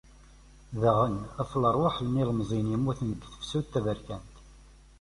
Daɣen, ɣef lerwaḥ n yilemẓiyen yemmuten deg tefsut taberkant.